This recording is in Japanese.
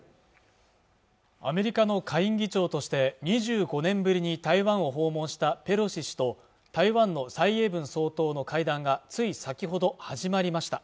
アメリカの下院議長として２５年ぶりに台湾を訪問したペロシ氏と台湾の蔡英文総統の会談がつい先ほど始まりました